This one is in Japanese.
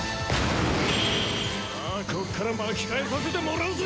さあここから巻き返させてもらうぜ！